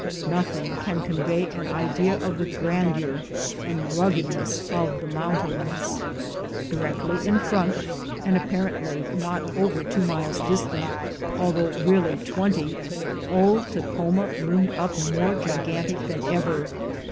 Nothing can convey an idea of the grandeur and ruggedness of the mountains. Directly in front, and apparently not over two miles distant, although really twenty, old Takhoma loomed up more gigantic than ever.